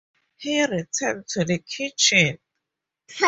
He returned to the kitchen.